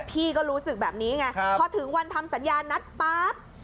พี่ก็รู้สึกแบบนี้ไงพอถึงวันทำสัญญานัดปั๊บ